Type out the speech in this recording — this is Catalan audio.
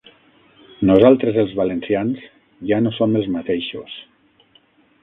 Nosaltres els valencians, ja no som els mateixos.